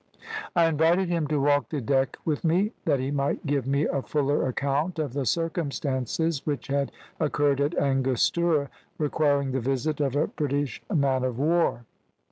I invited him to walk the deck with me, that he might give me a fuller account of the circumstances which had occurred at Angostura, requiring the visit of a British man of war.